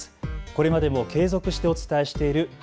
これまでも継続してお伝えしている＃